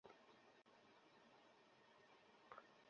আর তোর জন্য অনেক বেশি বয়সের আমি।